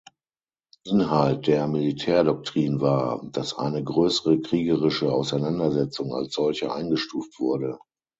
Inhalt der Militärdoktrin war, dass eine größere kriegerische Auseinandersetzung als solche eingestuft wurde.